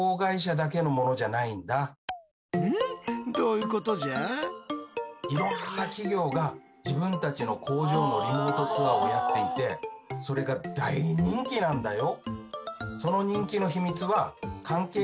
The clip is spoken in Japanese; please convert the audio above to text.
いろんな企業が自分たちの工場のリモートツアーをやっていてそれが大人気なんだよ。